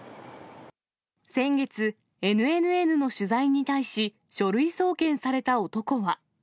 先月、ＮＮＮの取材に対し書類送検された男は。